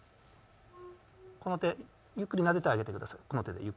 この手ゆっくりなでてあげてください。